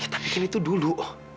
tapi kan itu dulu